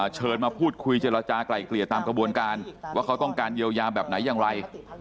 เชิญมาพูดคุยเจรจากลายเกลี่ยตามกระบวนการว่าเขาต้องการเยียวยาแบบไหนอย่างไร